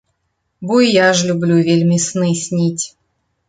Бо і я ж люблю вельмі сны сніць.